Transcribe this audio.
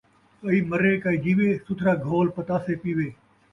کئی مرے کئی جیوے ، ستھرا گھول پتاسے پیوے